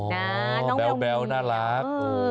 น้องแบวน่ารัก